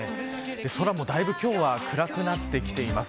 空もだいぶ今日は暗くなってきています。